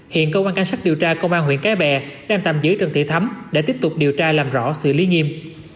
hiện công an cảnh sát điều tra công an huyện cái bè đang tằm dưới trần thị thắm để tiếp tục điều tra làm rõ sự lý nhiệm